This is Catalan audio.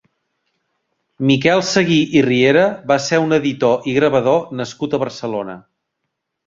Miquel Seguí i Riera va ser un edior i gravador nascut a Barcelona.